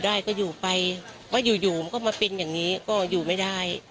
ได้ก็อยู่ไปก็อยู่อยู่มันก็มาเป็นอย่างนี้ก็อยู่ไม่ได้